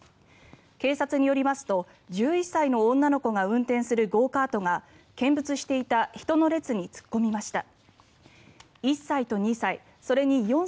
警察によりますと１１歳の女の子が運転するゴーカートが見物していた人の列に突っ込みました。